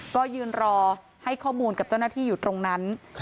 ก็ยืนรอให้ข้อมูลกับเจ้าหน้าที่อยู่ตรงนั้น